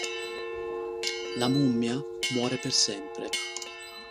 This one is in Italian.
La mummia muore per sempre.